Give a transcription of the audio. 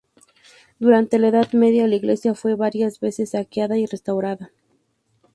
Durante la Edad Media, la iglesia fue varias veces saqueada y restaurada.